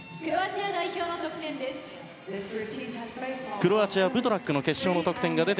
クロアチア、ブトラックの決勝の得点です。